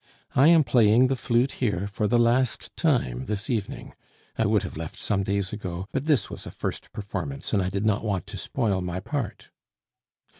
I am playing the flute here for the last time this evening; I would have left some days ago, but this was a first performance, and I did not want to spoil my part."